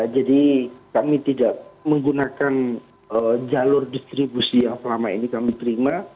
jadi kami tidak menggunakan jalur distribusi yang selama ini kami terima